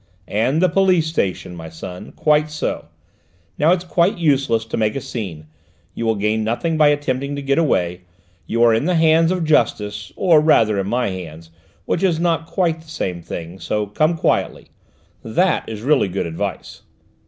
"And the Police Station, my son. Quite so. Now it's quite useless to make a scene: you will gain nothing by attempting to get away. You are in the hands of justice, or rather in my hands, which is not quite the same thing, so come quietly. That is really good advice!"